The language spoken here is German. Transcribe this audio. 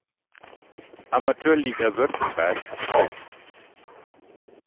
Amateurliga Württemberg, auf.